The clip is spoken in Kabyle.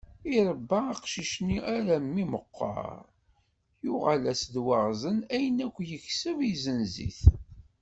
Iṛebba aqcic-nni armi meqqer, yuγal-as d waγzen ayen akk yekseb, yesenz-it.